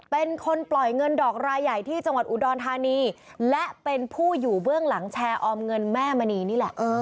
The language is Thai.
เป็นคนปล่อยเงินดอกรายใหญ่ที่จังหวัดอุดรธานีและเป็นผู้อยู่เบื้องหลังแชร์ออมเงินแม่มณีนี่แหละ